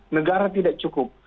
negara tidak cukup